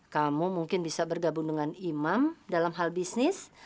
kamu mungkin bisa bergabung dengan imam dalam hal bisnis